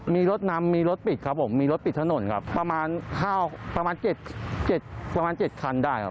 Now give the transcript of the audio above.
มีรถนำมีรถปิดทะโน่นครับประมาณเจ็ดคันได้